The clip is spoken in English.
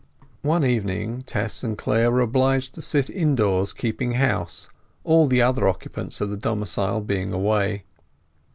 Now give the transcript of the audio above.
One evening Tess and Clare were obliged to sit indoors keeping house, all the other occupants of the domicile being away.